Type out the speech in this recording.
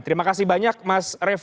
terima kasih banyak mas revo